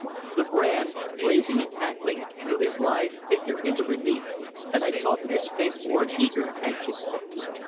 The brand, blazing and crackling, threw his lithe figure into relief, and I saw that his face wore an eager, anxious look.